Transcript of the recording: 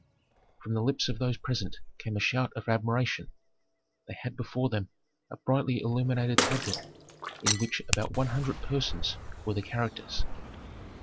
From the lips of those present came a shout of admiration. They had before them a brightly illuminated tableau in which about one hundred persons were the characters.